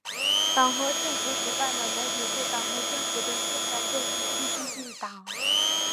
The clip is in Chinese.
党和政府主办的媒体是党和政府的宣传阵地，必须姓党。